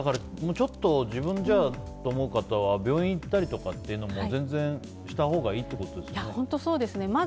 ちょっと自分じゃと思う方は病院に行ったりとかっていうのも全然したほうがいいってことですよね。